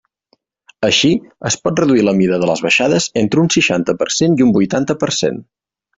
Així, es pot reduir la mida de les baixades entre un seixanta per cent i un vuitanta per cent.